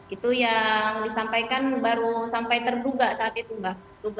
itu yang disampaikan baru sampai terduga saat itu mbak